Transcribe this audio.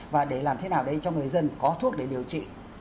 và để làm thế nào đây cho người dân có thuốc để điều trị